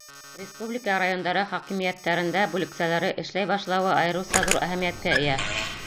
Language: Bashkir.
Республика райондары хакимиәттәрендә бүлексәләре эшләй башлауы айырыуса ҙур әһәмиәткә эйә.